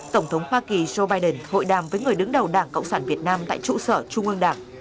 tổng thống hoa kỳ joe biden hội đàm với người đứng đầu đảng cộng sản việt nam tại trụ sở trung ương đảng